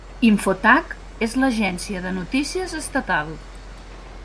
Infotag és l'agència de notícies estatal.